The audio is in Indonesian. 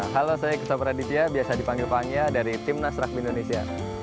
halo saya kusopra ditya biasa dipanggil pangya dari tim nasrachmi indonesia